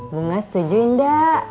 bunga setuju nggak